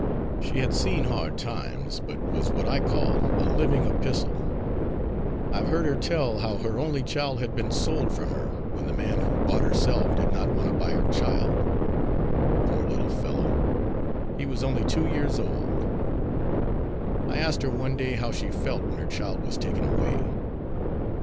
She had seen hard times, but was what I call a living epistle. I've heard her tell how her only child had been sold from her, when the man who bought herself did not want to buy her child. Poor little fellow! he was only two years old. I asked her one day how she felt when her child was taken away.